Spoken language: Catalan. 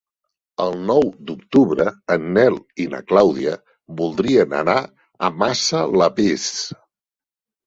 El nou d'octubre en Nel i na Clàudia voldrien anar a Massalavés.